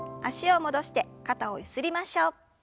脚を戻して肩をゆすりましょう。